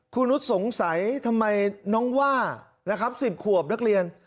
นุษย์สงสัยทำไมน้องว่านะครับ๑๐ขวบนักเรียน